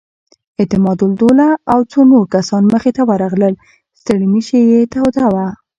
اعتماد الدوله او څو نور کسان مخې ته ورغلل، ستړې مشې یې توده وه.